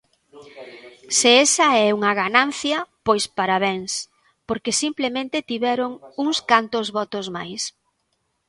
Se esa é unha ganancia, pois parabéns, porque simplemente tiveron uns cantos votos máis.